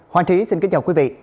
hoàng trí xin kính chào quý vị